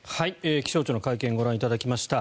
気象庁の会見をご覧いただきました。